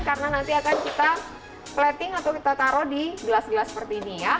karena nanti akan kita plating atau kita taruh di gelas gelas seperti ini ya